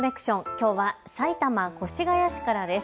きょうは埼玉越谷市からです。